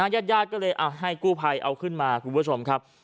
ญาติญาติก็เลยให้กู้ภัยเอาขึ้นมาคุณผู้ชมครับ